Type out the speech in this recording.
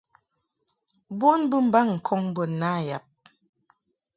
Bon bɨmbaŋ ŋkɔŋ bə na yab.